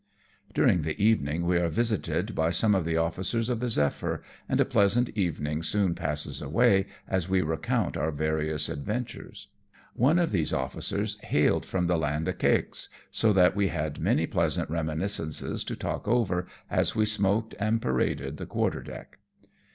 During the evening we are visited by some of the ofiScers of the Zephyr, and a pleasant evening soon passes away, as we recount our various adventures. One of these officers hailed from the Land o' Cakes, so that we had many pleasant reminiscences to talk over as we smoked and paraded the quarter deck.